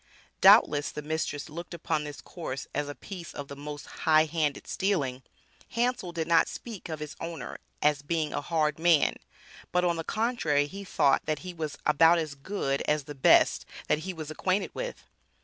Doubtless the mistress looked upon this course as a piece of the most highhanded stealing. Hansel did not speak of his owner as being a hard man, but on the contrary he thought that he was about as "good" as the best that he was acquainted with.